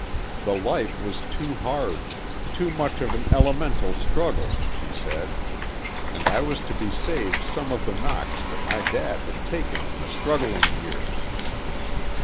The life was too hard, too much of an elemental struggle, she said—and I was to be saved some of the knocks that my dad had taken in the struggling years.